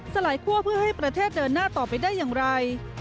สลายคั่วเพื่อให้ประเทศเดินหน้าต่อไปได้อย่างไร